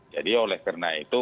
jadi oleh karena itu